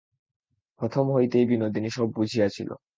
প্রথম হইতেই বিনোদিনী সব বুঝিয়াছিল।